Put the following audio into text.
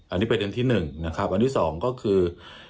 อันนี้เป็นอย่างที่หนึ่งนะครับอันที่สองก็คือ